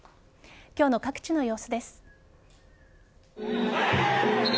今日の各地の様子です。